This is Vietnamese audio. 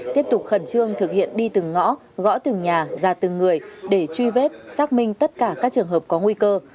tiếp tục khẩn trương thực hiện đi từng ngõ gõ từng nhà ra từng người để truy vết xác minh tất cả các trường hợp có nguy cơ